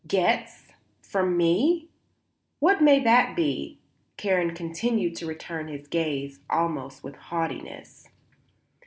"Gets? From me? What may that be?" Karen continued to return his gaze almost with haughtiness.